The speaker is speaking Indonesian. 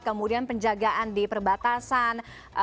kemudian penjagaan di perbatasan